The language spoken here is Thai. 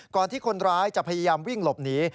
ที่คนร้ายจะพยายามวิ่งหลบหนี